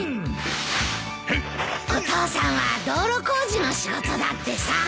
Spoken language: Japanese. お父さんは道路工事の仕事だってさ。